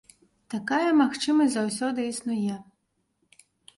Такая магчымасць заўсёды існуе.